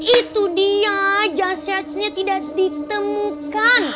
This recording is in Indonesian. itu dia jasadnya tidak ditemukan